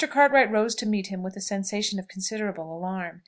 Cartwright rose to meet him with sensations of considerable alarm.